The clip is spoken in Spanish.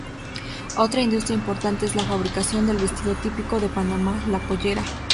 Otra industria importante es la fabricación del vestido típico de Panamá: la pollera.